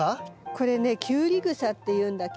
これねキュウリグサっていうんだけど。